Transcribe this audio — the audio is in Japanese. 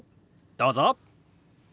どうぞ。